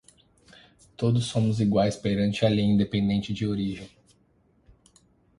Todos somos iguais perante a lei, independentemente de origem.